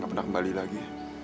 gak pernah kembali lagi